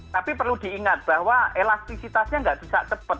tapi perlu diingat bahwa elastisitasnya nggak bisa cepat